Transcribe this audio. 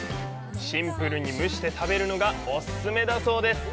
シンプルに蒸して食べるのがオススメだそうです！